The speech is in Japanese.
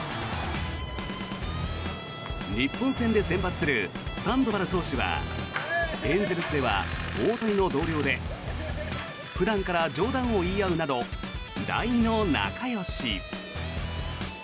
日本戦で先発するサンドバル投手はエンゼルスでは大谷の同僚で普段から冗談を言い合うなど大の仲よし。